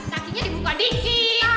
kakinya dibuka dikit